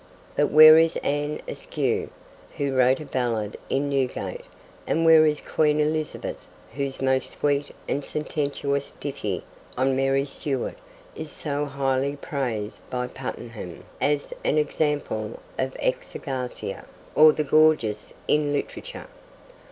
But where is Anne Askew, who wrote a ballad in Newgate; and where is Queen Elizabeth, whose 'most sweet and sententious ditty' on Mary Stuart is so highly praised by Puttenham as an example of 'Exargasia,' or The Gorgeous in Literature?